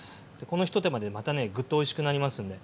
このひと手間でまたねグッとおいしくなりますんで。